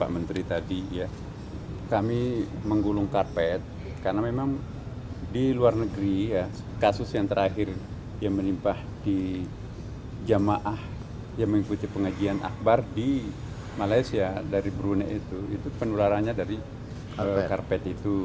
malaysia dari brunei itu penularannya dari karpet itu